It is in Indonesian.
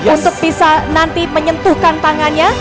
untuk bisa nanti menyentuhkan tangannya